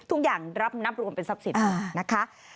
ทุกอย่างรับนับรวมเป็นทรัพย์สินนะคะ